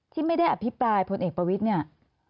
ที่ไม่ได้อภิปรายพลเอกประวิทย์เนี่ย